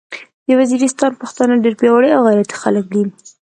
د ویزیریستان پختانه ډیر پیاوړي او غیرتي خلک دې